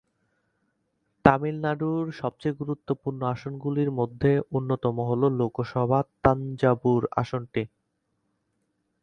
তামিলনাড়ুর সবচেয়ে গুরুত্বপূর্ণ আসনগুলির মধ্যে অন্যতম হল লোকসভা তাঞ্জাবুর আসনটি।